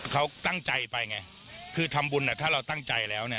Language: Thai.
เขาตั้งใจไปไงคือทำบุญถ้าเราตั้งใจแล้วเนี่ย